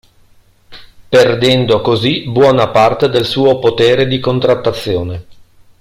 Perdendo così buona parte del suo potere di contrattazione.